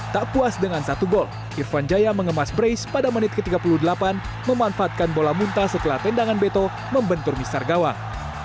tak puas dengan satu gol irfan jaya mengemas brace pada menit ke tiga puluh delapan memanfaatkan bola muntah setelah tendangan beto membentur misar gawang